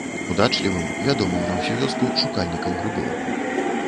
Удачлівым, вядомым на ўсю вёску шукальнікам грыбоў.